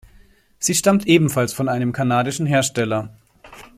Sie stammt ebenfalls von einem kanadischen Hersteller.